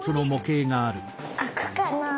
あくかな？